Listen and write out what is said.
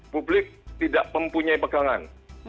publik tidak mempunyai pegangan